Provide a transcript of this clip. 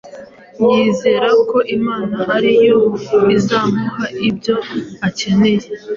yizera ko Imana ari yo izamuha ibyo akeneye.